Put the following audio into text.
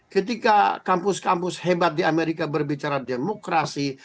ketika kampus kampus hebat di amerika berbicara demokrasi